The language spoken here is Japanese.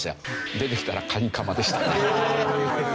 出てきたらカニカマでした。